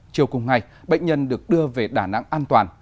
chiều cùng ngày bệnh nhân được đưa về đà nẵng an toàn